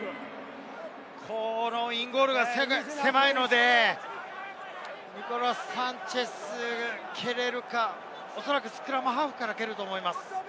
このインゴールが狭いので、ニコラス・サンチェス蹴られるか、おそらくスクラムハーフからくると思います。